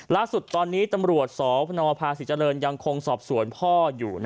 ล่าสุดตอนนี้ตำรวจสพนภาษีเจริญยังคงสอบสวนพ่ออยู่